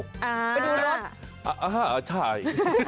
ไปดูรถอ่าใช่